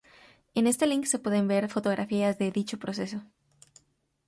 En este link se puede ver fotografías de dicho proceso.